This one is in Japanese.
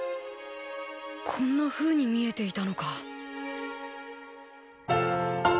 こんなふうに見えていたのか。